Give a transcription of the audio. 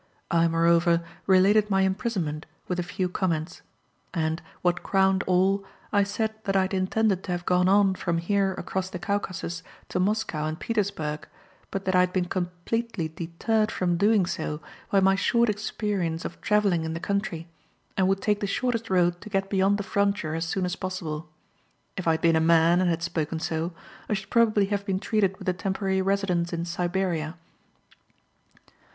I, moreover, related my imprisonment, with a few comments; and, what crowned all, I said that I had intended to have gone on from here across the Caucasus to Moscow and Petersburgh, but that I had been completely deterred from doing so by my short experience of travelling in the country, and would take the shortest road to get beyond the frontier as soon as possible. If I had been a man and had spoken so, I should probably have been treated with a temporary residence in Siberia.